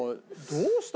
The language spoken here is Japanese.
どうした？